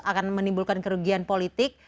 akan menimbulkan kerugian politik